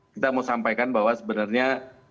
kita mau sampaikan bahwa sebenarnya